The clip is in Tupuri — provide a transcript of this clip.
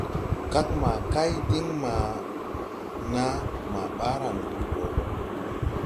Kag ma kay din maa naa ma baaran hud wo go.